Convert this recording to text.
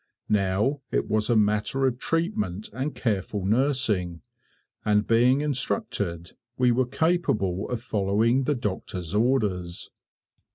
Now, it was a matter of treatment and careful nursing, and being instructed, we were capable of following the doctor's orders.